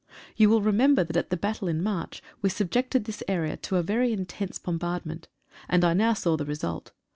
You will remember that at the battle in March, we subjected this area to a very intense bom bardment, and I now saw the result.